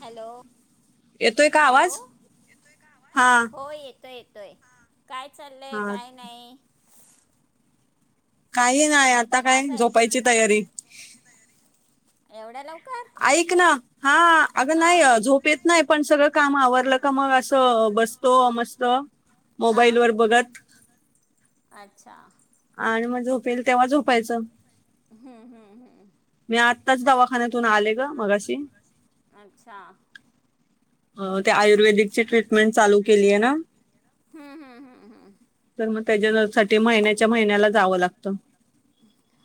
Hello, येतोय का hello आवाज हा हो येतोय येतो. तय. काय चाललंय हा काय नाही? काय नाही आता काय माझं आहे झोपायची तयारी. येवढ्या लव ऐक ना हा अगं नाही हा झोपेत नाही पण सगळं काम आ वरलं का मग असं बसतो मस्त हा मोबाईल वर बघत. अच्छा. आणि मग झोप येईल तेव्हा झोपायचं. हम्म, हम्म, हम्म आताच दवाखान्यात तून आले ग मगाशी. अच्छा हो ते आयु र्वेदिकची ट्रीटमेंट चालू केली आहे ना, हम्म हम्म हम्म हम्म तर मग त्याच्या तेच साठी महिन्याच्या महिन्याला जावं लागतं. त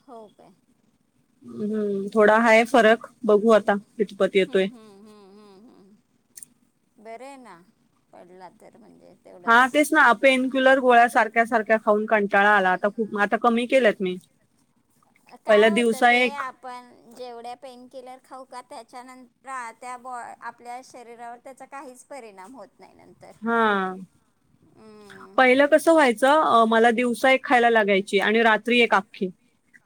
हो काय? हम्म थोडा हाय फरक बघू आता, कितपत हम्म येतोय. बरंय ना, पडला तर म्हणजे हा तेवढंच तेच ना पेनक्युलर गोळ्यासार ख्या सारख्या खाऊन कंटाळा आला, आता खूप, आता कमी केलंत मी काय पहिला होतं दिवसा ते एक आपण जेवढ्या पेनकिलर खाऊ का त्याच्यानंतर त्या बुवा आपल्या शरीरावर त्याचा काहीच परिणाम होत नाही. नंतर हा, हम्म. पहिलं कसं व्हायचं अ मला दिवसा एक खायला लागायची आणि रात्री एक आख्खी.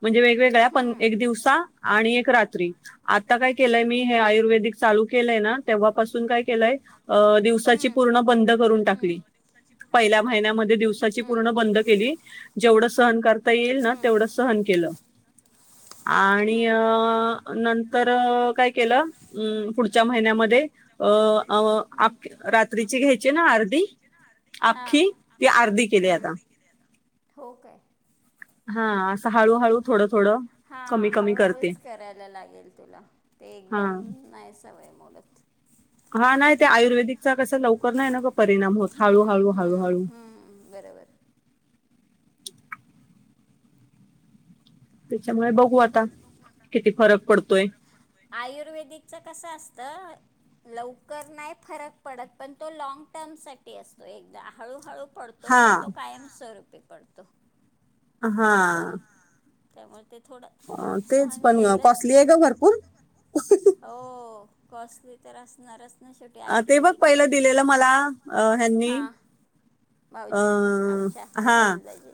म्हणजे वेगवेगळ्या पणं हम्म. एक दिवसा आणि एक एक रात्री, आता काय केलय मी हे आयुर्वेदिक चालू केलंय ना, तेव्हापासून काय केलंय अ दिवसाची हम्म. पूर्ण बंद करून टाकली, पहिल्या महिन्यामध्ये दिवसाची हम्म. पूर्ण बंद केली जेवढं सहन कर ता येईल ना हम्म. तेवढं सहन केलं. आणि हम्म. अं नंतर काय केलं पुढच्या हम्म. महिन्यामध्ये अ अ [unintelligible] ती जीं घ्यायचे ना अर्धी हा आख्खी ती आर्धी केली हम्म. आत्ता. हो काय? हा, असं हळूहळू थोडं थोडं हा कमी कमी करते हळूहळूच करायला लागेलं तुला. ते हा एकदम नाही सवय मोडत. हा नाही ते आयुर्वेदिक चा कस लवकर नाही ना गं परिणाम होत, हळू हम्म. हळू हळू हम्म. हळू. हम्म. बरोबर त्याच्यामुळे ब घू आता किती फरक पड तोय. आयुर्वेदिकच कस असतं, लवकर नाही फरक पडत. पण तो लॉग टर्म साठी असतो. एकदा हळूहळू पडतो, हा पण तो कायम स्वरूप ते पडतं. हा. त्यामुळे ते थोडं अ, तेच सहन पण केलंस कॉस्टली आहे तरी, ग भरपूर हो. कॉसली तर असणारच ना शेवटी अ ते बघ आयुर्वेदिक आहे पहिलं दिलेलं मला अ ह्यांनी भाऊजीनी अ, आमच्या राहूल दाजी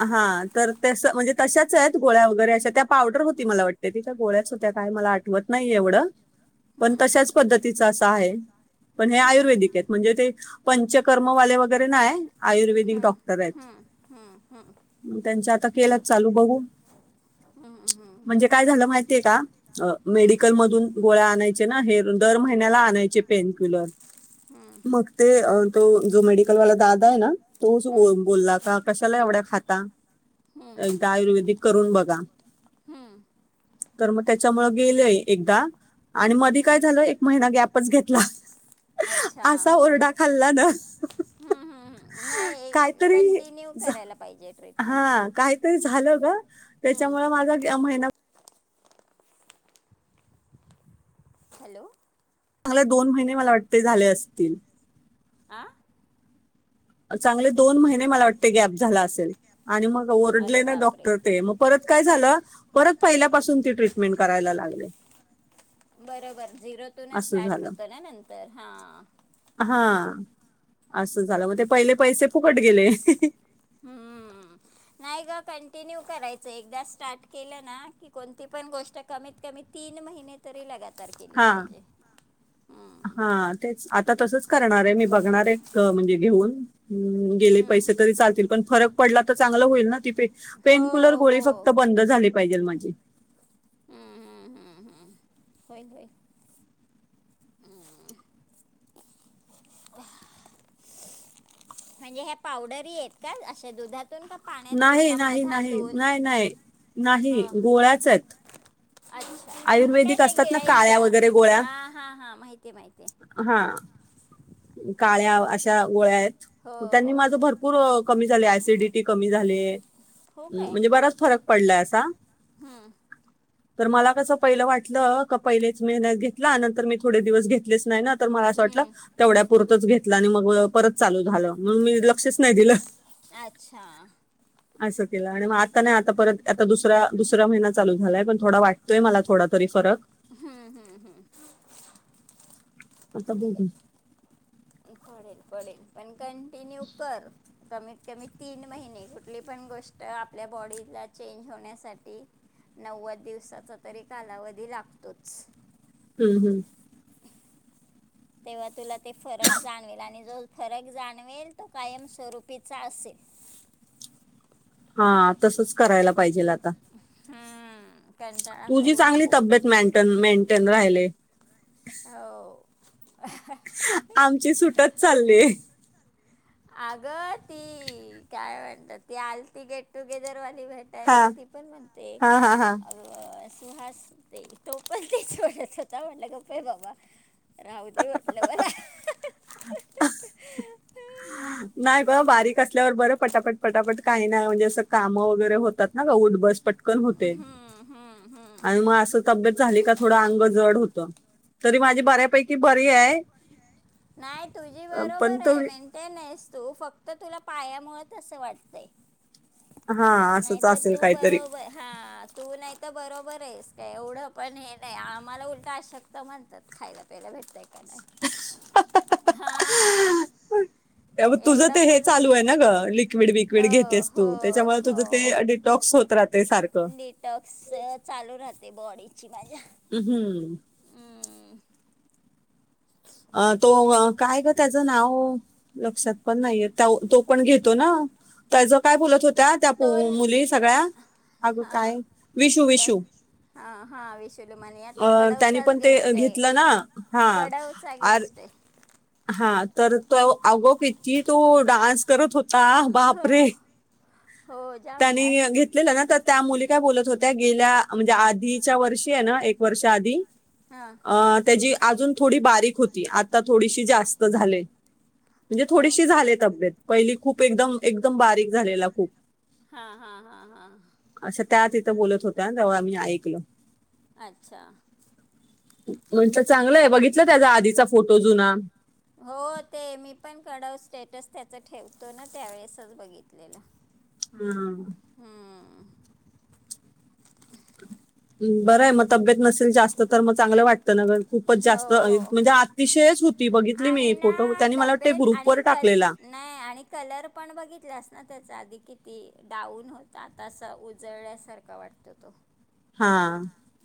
हा हां तर तस म्हणजे तशाच आहेत गोळ्या वगैरे अशा त्या पावडर होती मला वाटते ति त्या गोळ्याच होत्या काय मला आठवत नाही एवढं पण हं तशाच पद्धतीचा असं आहे पण हे आयुर्वेदिक आहेत म्हणजे ते पंचकर्मवाले वगैरे नाहीय आयुर्वेदिक डॉक्टर आहेत. हं हं हं म त्यांच्या आता हो केलंच का चालू बघु हं हं म्हणजे हं काय झालं माहितीये का? अ हं मेडिकल मधून गोळ्या आणायच्या. हे दर महिन्याला आणायचे. पेनक्युलर हं मग ते तो जो मेडिकल वाला दादा आहे ना. तोच हं बोलला का कशाला एवढ्या खाता. हं एकदा आयुर्वेदिक करून बघा. हं तर मग त्याच्यामूळ गेलेय एकदा आणि मधी काय हं झालं एक महिना गॅप पच घेतला. अच्छा असा ओरडा खाल्ला ना हम्म हम्म हम्म नाही काहीतरी कंटिन्यू झ- करायला पाहि हा काय ते झालं ग हम्म. त्याच्यामुळे माझा ग्या महिना हॅलो चांगल्या दोन महिने मला वाटते झाले असतील. आं चांगले दोन महिने मला वाटते गॅप झाला असेल आणि मग ओरडले अरे ना बापरे डॉक्टर ते मग परत काय झाला परत पहिल्यापासून ती ट्रीटमेंट करायला लागले. बरोबर झिरोतूनच असं स्टार्ट झालं होतं ना नंतर हां. हा असं झालं मग ते पहिले पैसे फुकट गेले. हम्म नाही ग कंटिन्यू करायचा एकदा स्टार्ट केलं ना की कोणती पण गोष्ट कमीत कमी तीन महिने तरी लगा हा हा तेच आता तसचं करणार आहे मी बघणार आहे एक म्हणजे घेऊन हम्म गेले हम्म. पैसे तरी चालतील पण फरक पडला तर चांगलं होईल ना ती पे हो पेन क्युलर गोळी हो फक्त बंद झाले पाहिजेल म्हंजे. हम्म हम्म हम्म हम्म होय होय. [inaudible] [inaudible] म्हणजे हे पावडर ही येत का अशा दुधात नाही नाही नाही नाही नाही नाही हां नाही गोळ्याचायत. अच्छा मग काय आयुर्वेदिक त्या असतात ना काळ्या गिळायच्या वगैरे गोळ्या हा हा हा माहिती माहिती हा. काळ्या अ, अशा गोळ्या हो आहेत. त्यांनी हो माझा हो भरपूर अ कमी झालयस. ती डिटी कमी झाले. हो काय म्हणजे बराच फरक पडलाय असा हम्म तर मला कसं पहिला वाटलं का पहिलेच मेहन्यात घेतला नंतर मी थोडे दिवस घेतलेच नाही ना तर मला असं हम्म वाटलं पुरतच घेतलं आणि मग परत चालू झालं. मग मी लक्षच नाही दिलं. अच्छा असं केलं आणि मग आता नाही आता परत आता दुसरा दुसरा महिना चालू झालाय पण थोडा वाटतोय मला थोडा तरी फरक. हम्म हम्म हम्म. आता बघीन [unintelligible] पडेल पण कंटिन्यू कर. कमीत कमी तीन महिने कुठली पण गोष्ट आपल्या बॉडीला चेंज होण्यासाठी नव्वद दिवसाचा तरी कालावधी लागतोच. हम्म हम्म. तेव्हा तुला ते फरक जाणवेल आणि जो फरक जाणवेल तो कायमस्वरूपीचा असेल [inaudible] हा तसच करायला पाहिजेल आता. हम्म कंटाळा तुझी करू चांगली नको तब्येते म्यांटन मेंटन. राहीलेय. हो. आमची सुूटच चाललीय. अगं ती काय म्हणत ती आल त गेट टुगेदर हा भेटायला ती पण म्हणते हा हा हा अ तू हास ते तो पण ते ट स्वचा म्हटलं गप्प आहे बाबा राहू दे म्हटलं मला [inaudible] नाही ब बारीक असल्यावर बरं पटापट पटापट काही नाही म्हणजे असं काम वगैरे होतात ना ग उटबस पटकन होते. हम्म हम्म [inaudible] हम्म आणि मग अस तब्येत. झाले का थोड अंग जड होत तरी माझी बऱ्यापैकी बरी हाय. नाही तुझी बरोबर आहे मेंटेन आहेस तू. तो फक्त तुला पायामुळेच असं वाटतंय. हा नाही असंच तर असेल तू काहीतरी बरोबर हा तू नाही तर बरोबर. बरं आहेस काय एवढं पण हे नाही आम्हाला उलटा अशक्त म्हणतात खायला प्यायला भेटताय. [unintelligible] हा त्यामुळे तुझं एवढं ते हे पण चालू आहे ना ग लिक्विड विक्विड हो घेतेस तू हो त्याच्यामुळे तुझं हो ते डिटॉक्स होत राहतय सारखं. डिटॉक्स चालू राहते बॉडीची. माझ्या हम् हम्म. हम्म, अ तो अ काय ग त्याचं नाव लक्षात पण नाहीये तो पण घेतो ना त्याच काय बोलत होत. त्या त्या तो मुली सगळ्या अग हा काय विशू त्या विशू हा हा विशुलू म्हणे तो अ त्यांनी कडवचाच पण ते गेस्ट आहे घेतलं ना हा. कडवचा आर गेस्ट आहे. हा तर तो अगं किती तो डान्स करत होतो. का हो बापरे हो जाम त्यांनी जाम घेतलेला ना त्यात. त्या मुली काय बोलत होत्या गेल्या म्हणजे आधीच्या वर्षी आहे ना एक वर्ष आधी हा अ त्याजी अजून थोडी बारीक होती आता थोडीशी जास्त झाले. म्हणजे हो थोडीशी काय झाले तब्येत पहिली खूप एकदम एकदम बारीक झालेला खूप. हा हा हा हा असं त्या तिथं बोलत होत्या तेंव्हा मी ऐकलं अच्छा म्हटलं चांगलं आहे बघित [inaudible] त्याचा आधीचा फोटो जुना हो ते मी पण कडव स्टेटस त्याच ठेवतो ना त्यावेेळेसच बघितलेलं हम् हम्म बरंय मग तब्येत नसेल जास्त तर मग चांगलं वाटत त्यानं ग खूपच जास्त हो म्हणजे अतिशयच होती बघितली मी आणि फोटो ना त्यांनी मला वाट तब्येत ग्रुप व आणि कल टाकलेला नाही आणि कलर पण बघितलास ना त्याचा आधी किती डाऊन होता आता अस उजळल्यासारखा वाटत तो हा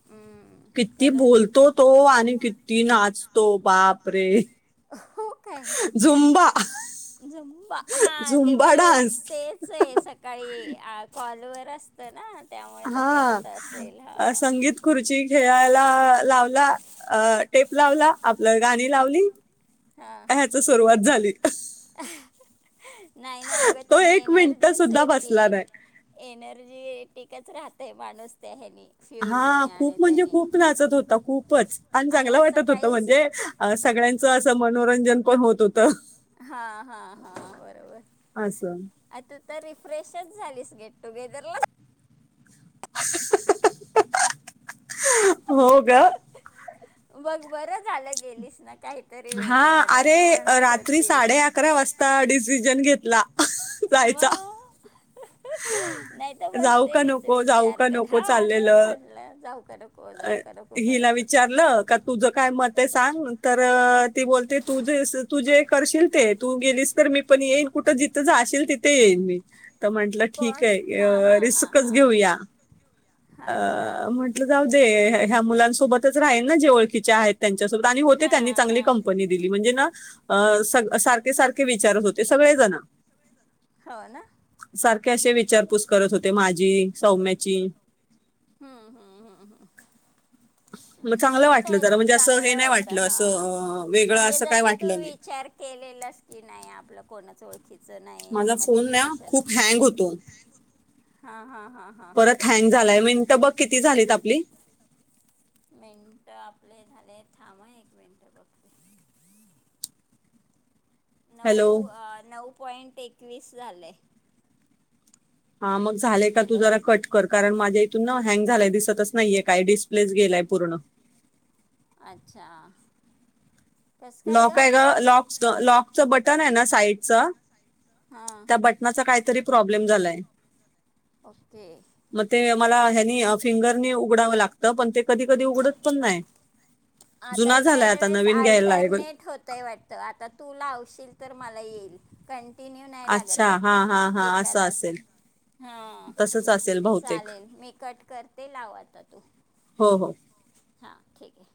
हम्म किती कलर बोलतो तो आणि किती नाचतो. तो बापरे हो काय..... झुंबा हा ते झुंबा बरोबर डान्स तेच आहे सकाळी आ कॉलवर नसत ना त्यामुळे तो करत असेल हा हा, संगीत खुर्ची खेळायला लावला अ टेप लावला, आपलं गाणी लावली. हा ह्याच सुरुवात झाली. [unintelligible] नाही नाही अगं, तो त्यानी मिनिटं एनर्जीच सुद्धा बसला येतीय. नाही. एनर्जीएटीक तेच राहतयं माणूस त्या ह्यांनी हा खूप म्हणजे खूप नाचत होता खूपच, आणि चांगलं असं वाटत होत काहीच म्हणजे सगळ्यांचं तं मनोरंजन पण होत हो हा हा हा बरोबर असं. आता तर रिफ्रेशच झालीस. गेट टुगेदरला. [inaudible] हो गं. मग बरं झालं गेलीस ना. काहीतरी हा, वेगळं नाही अरे तर म्हणत रात्री साडे होतीस. अकरा वाजता डिसिजन घेत ला. जायचा. मग नाही तर जाऊ का बसलेलीच नको, जाऊ विचार का कर नको हा, तेच चाललेलं. म्हटलं जाऊ का नको अ जाऊ का नको हिला करत होतीस. विचारलं का तुझं काय मत? ते सांग तर ती बोलते तूजेस तू जे करशील ते, तू गेलीस तर मी पण येईन कुठं जिथं जाशील तिथे येईन मी. तर म्हंटलं ठीक कोण हा आहे हा हा रिस्कच हा घेऊया अ अच्छा. म्हट ते ह्या मुलांसोबतच राहीलं ना जे ओळखीच्या आहेत. त्यांच्यासोबत आणि होते हा त्यांनी चांगली हा. कंपनी दिली म्हणजे ना, त्या अ स सारखे सारखे विचारत होते सगळेजण. हो ना? कशे विचारपूस करत होते माझी, सौम्याची. हू हू. चांगलं मग वाटलं काय, जरा काय म्हणजे असं हे चांगलं नाही वाटत, वाटलं हा असं वेगळं म्हणजे असं काय जसा तू वाटलं नाही विचार केलेलास की नाही आपलं कोणाजवळ? माझा फोन ना खूप हँग होतो, हा हा हा हा परत हँग झालाय म्हण तू बघ किती झालेत? तप तप [unintelligible] मिनटं आपले झाले थांब हं एक मिनटं बघते. नऊ हॅलो अ नऊ पॉईंट एकवीस झाले. हा मग झालेय का तू हॅलो जरा कट कर कारण माझ्या इथून ना हँग झालाय दिसतच नाही आहे काय डिस्प्लेच गेलाय पूर्ण आच्छा लॉक आहे ग लॉकस्ट लॉक तीत बटन आहे ना साईड चं हा. त्या बटनाचं काय तरी प्रॉब्लेम झालाय ओके मग ते मला याने फिंगर ने उघडावं लागत पण ते कधी कधी उघडत पण नाही जुना झालाय आता नवीन घ्यायलाय नेट होतंय वाटत. आता तू लावशील तर मला येईल [inaudible] ते निव्ह नाही लागत अच्छा वाटत हा हा हा असं एकालाच असेल ह तसंच असेल बहुतेक चालेल मी कट करते लाव आता तू हो. हो. हा ठीक आहे